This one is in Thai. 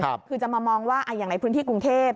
คือจะมามองว่าอย่างในพื้นที่กรุงเทพ